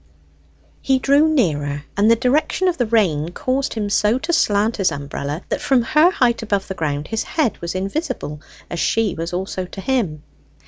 He drew nearer, and the direction of the rain caused him so to slant his umbrella that from her height above the ground his head was invisible, as she was also to him.